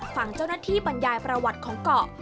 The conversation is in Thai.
ฝั่งเจ้าหน้าที่บรรยายประวัติของเกาะ